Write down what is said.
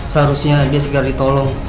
seharusnya dia segera ditolong